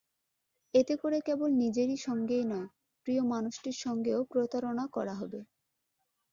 এতে করে কেবল নিজের সঙ্গেই নয়, প্রিয় মানুষটির সঙ্গেও প্রতারণা করা হবে।